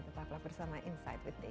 tetap bersama insight with desi yang kemarin